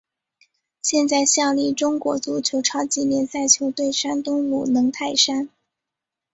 现在效力中国足球超级联赛球队山东鲁能泰山。